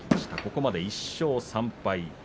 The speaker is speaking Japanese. ここまで１勝３敗。